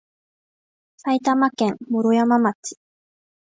埼玉県毛呂山町